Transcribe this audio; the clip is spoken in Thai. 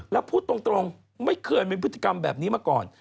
แล้วพูดตรงไม่เคยมีพฤติกรรมแบบนี้มาก่อน